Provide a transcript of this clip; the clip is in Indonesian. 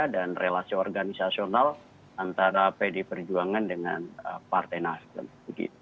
dan relasi organisasional antara pd perjuangan dengan partai nasional